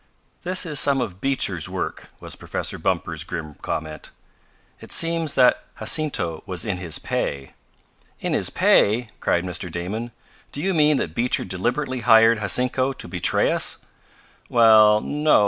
"This is some of Beecher's work," was Professor Bumper's grim comment. "It seems that Jacinto was in his pay." "In his pay!" cried Mr. Damon. "Do you mean that Beecher deliberately hired Jacinto to betray us?" "Well, no.